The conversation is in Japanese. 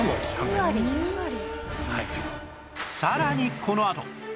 さらにこのあと